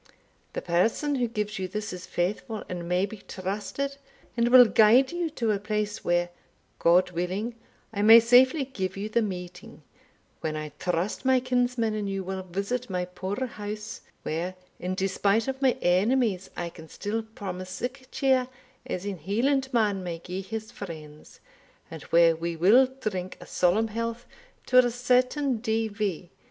The person who gives you this is faithful and may be trusted, and will guide you to a place where, God willing, I may safely give you the meeting, when I trust my kinsman and you will visit my poor house, where, in despite of my enemies, I can still promise sic cheer as ane Hielandman may gie his friends, and where we will drink a solemn health to a certain D. V.